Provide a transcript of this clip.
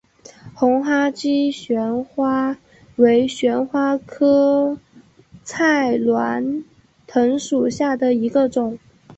红花姬旋花为旋花科菜栾藤属下的一个种。